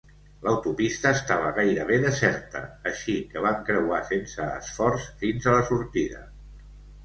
L'autopista estava gairebé deserta, així que van creuar sense esforç fins a la sortida.